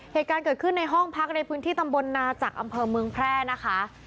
เหตุการณ์เกิดขึ้นในห้องพักในพื้นที่ตำบลนาจักรอำเภอเมืองแพร่นะคะ